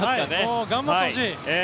もう頑張ってほしい！